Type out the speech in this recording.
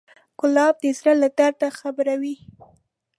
ګلاب د زړه له درده خبروي.